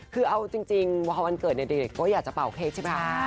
คือเอาจริงพอวันเกิดเด็กก็อยากจะเป่าเค้กใช่ไหม